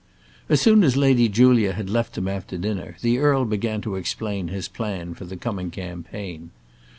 As soon as Lady Julia had left them after dinner, the earl began to explain his plan for the coming campaign.